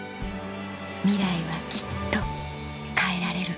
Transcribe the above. ミライはきっと変えられる